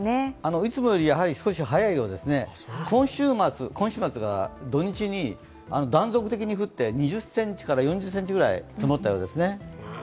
いつもより早いようですね、今週末、土日に断続的に降って、２０ｃｍから４０ｃｍぐらい積もったようですね。